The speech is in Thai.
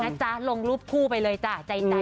เรียนนะจ๊ะลงรูปคู่ไปเลยจ้ะใจจ้ะ